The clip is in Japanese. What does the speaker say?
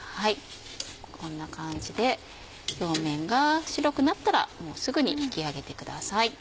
こんな感じで表面が白くなったらすぐに引き上げてください。